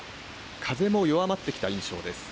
風も弱まってきた印象です。